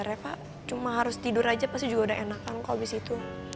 reva cuma harus tidur aja pasti juga udah enakan kok habis itu